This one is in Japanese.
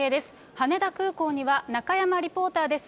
羽田空港には中山リポーターです。